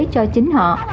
cho chính họ